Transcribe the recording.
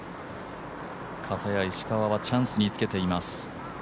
かたや石川はチャンスにつけています。